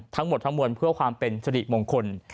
ทั้งหมดทั้งมวลเพื่อความเป็นสริมงคล